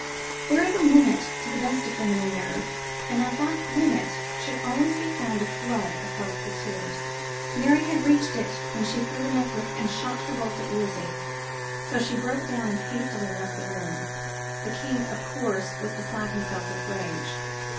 There is a limit to the best of feminine nerve, and at that limit should always be found a flood of healthful tears. Mary had reached it when she threw the necklace and shot her bolt at Wolsey, so she broke down and hastily left the room. The king, of course, was beside himself with rage.